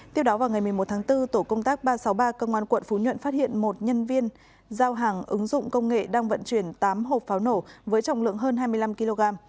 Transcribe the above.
tiếp đó vào ngày một mươi một tháng bốn tổ công tác ba trăm sáu mươi ba công an quận phú nhuận phát hiện một nhân viên giao hàng ứng dụng công nghệ đang vận chuyển tám hộp pháo nổ với trọng lượng hơn hai mươi năm kg